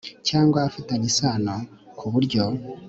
cyangwa afitanye isano ku buryo